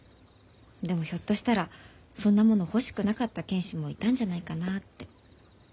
でもひょっとしたらそんなもの欲しくなかった犬士もいたんじゃないかなって。